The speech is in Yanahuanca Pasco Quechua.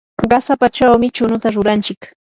qasapachawmi chunuta ruranchik.